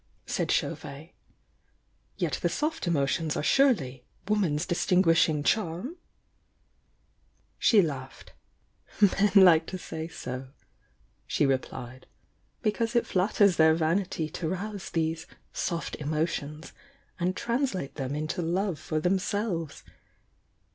said Chauvet. "Yet the soft emotions are surely 'woman's distinguishing charm'?" She laughed. "Men like to say so," she replied. "Because it flat ters their vanity to rouse these 'soft emotions' and translate them into love for themselves.